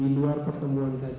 di luar pertemuan tadi